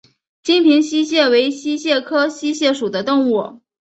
金平溪蟹为溪蟹科溪蟹属的动物。